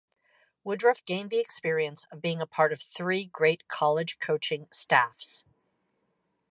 Woodruff gained the experience of being a part of three great college coaching staffs.